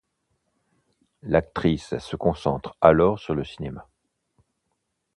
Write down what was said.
L'actrice se concentre alors sur le cinéma.